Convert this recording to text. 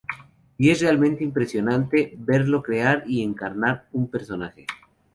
Y es realmente impresionante verlo crear y encarnar a un personaje.